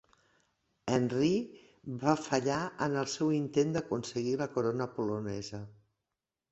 Henry va fallar en el seu intent d'aconseguir la corona polonesa.